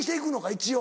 一応。